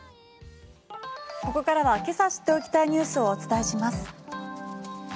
ここからはけさ知っておきたいニュースをお伝えします。